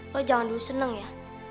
lo jangan dul seneng ya